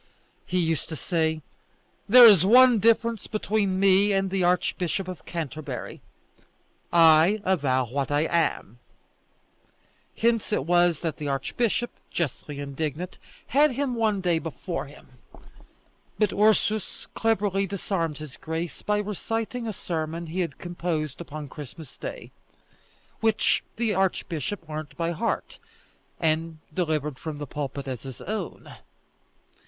He used to say: "There is one difference between me and the Archbishop of Canterbury: I avow what I am." Hence it was that the archbishop, justly indignant, had him one day before him; but Ursus cleverly disarmed his grace by reciting a sermon he had composed upon Christmas Day, which the delighted archbishop learnt by heart, and delivered from the pulpit as his own.